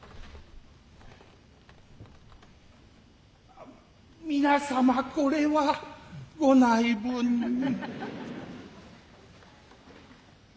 あ皆様これは御内聞に。